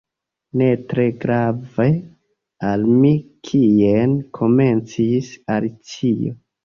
"Ne tre grave al mi kien" komencis Alicio.